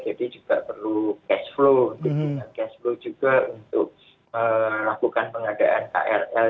jadi juga perlu cash flow untuk dinyatakan cash flow juga untuk melakukan pengadaan krl